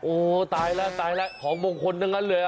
โอ้โหตายแล้วตายแล้วของมงคลทั้งนั้นเลย